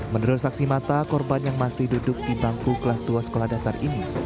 menurut saksi mata korban yang masih duduk di bangku kelas dua sekolah dasar ini